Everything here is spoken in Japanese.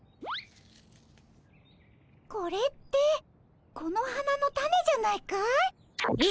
これってこの花のたねじゃないかい？え！